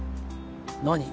何？